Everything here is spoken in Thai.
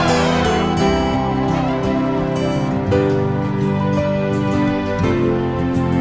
โอ้โฮ